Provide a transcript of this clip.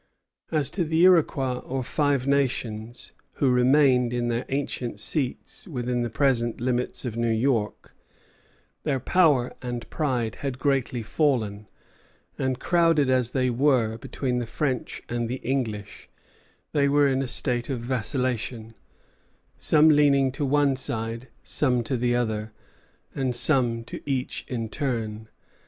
As to the Iroquois or Five Nations who still remained in their ancient seats within the present limits of New York, their power and pride had greatly fallen; and crowded as they were between the French and the English, they were in a state of vacillation, some leaning to one side, some to the other, and some to each in turn.